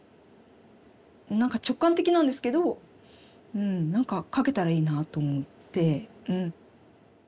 何か直感的なんですけどうん何か描けたらいいなと思って。